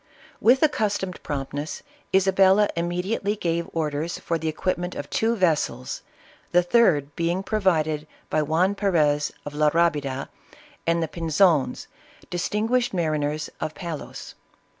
"With accustomed promptness, Isabella immediately gave orders for the equipment of two ves sels, the third being provided by Juan Perez of La Rabida, and the Pinzons, distinguished mariners of Pa los.